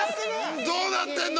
どうなってんの？